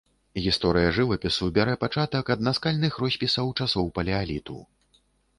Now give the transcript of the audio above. Гісторыя жывапісу бярэ пачатак ад наскальных роспісаў часоў палеаліту.